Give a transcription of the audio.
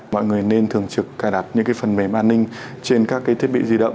mọi người nên thường trực cài đặt những cái phần mềm an ninh trên các cái thiết bị di động